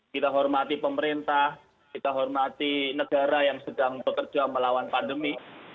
kita hormati pemerintah kita hormati negara yang sedang bekerja melawan pandemi